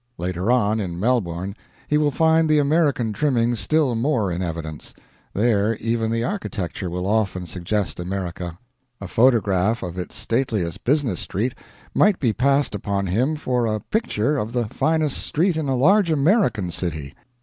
Later on, in Melbourne, he will find the American trimmings still more in evidence; there, even the architecture will often suggest America; a photograph of its stateliest business street might be passed upon him for a picture of the finest street in a large American city.